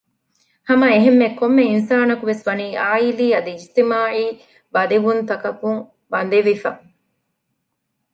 ހަމައެހެންމެ ކޮންމެ އިންސާނަކުވެސް ވަނީ ޢާއިލީ އަދި އިޖްތިމާޢީ ބަދެވުންތަކަކުން ބަނދެވިފަ